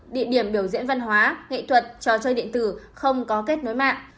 địa điểm biểu diễn văn hóa nghệ thuật trò chơi điện tử không có kết nối mạng